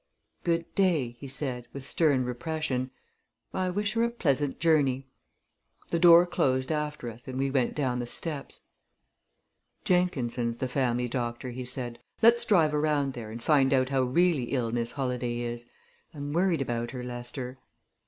"Good day," he said, with stern repression. "I wish her a pleasant journey." The door closed after us, and we went down the steps. "Jenkinson's the family doctor," he said. "Let's drive around there, and find out how really ill Miss Holladay is. I'm worried about her, Lester."